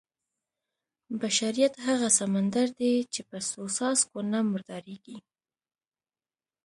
بشریت هغه سمندر دی چې په څو څاڅکو نه مردارېږي.